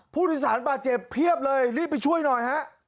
ผู้โดยสารบาดเจ็บเพียบเลยรีบไปช่วยหน่อยฮะ